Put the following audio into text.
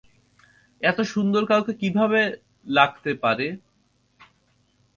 এতো সুন্দর কাউকে কিভাবে লাগতে পারে?